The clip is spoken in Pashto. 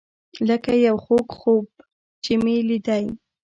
لکه یو خوږ خوب چې مې لیدی.